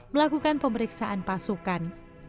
melakukan pemeriksaan pasukan